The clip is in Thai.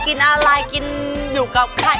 กินอะไรกินอยู่กับใคร